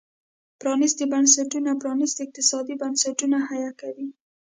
پرانيستي بنسټونه پرانيستي اقتصادي بنسټونه حیه کوي.